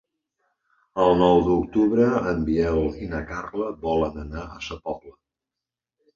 El nou d'octubre en Biel i na Carla volen anar a Sa Pobla.